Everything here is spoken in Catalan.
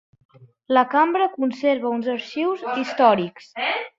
La cambra conserva uns arxius històrics.